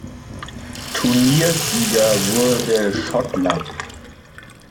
Turniersieger wurde Schottland.